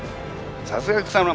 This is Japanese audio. さすが草村！